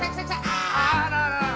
あ！あらら。